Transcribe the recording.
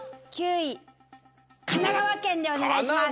９位神奈川県でお願いします！